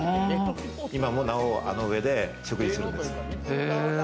今もなお、あの上で食事をするんです。